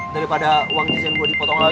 daripada uang jizan gue dipotong lagi